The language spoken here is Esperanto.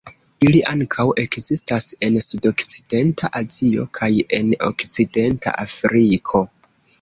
Ili ankaŭ ekzistas en sudokcidenta Azio kaj en okcidenta Afriko.